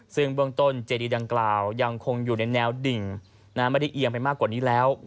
ซึ่งเบื้องต้นเจดีดังกล่าวยังคงอยู่ในแนวดิ่งไม่ได้เอียงไปมากกว่านี้แล้ว